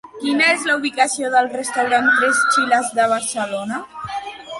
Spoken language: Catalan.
Quina és la ubicació del restaurant Tres Chiles de Barcelona?